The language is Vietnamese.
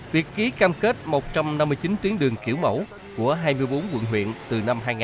việc ký cam kết một trăm năm mươi chín tuyến đường kiểu mẫu của hai mươi bốn quận huyện từ năm hai nghìn một mươi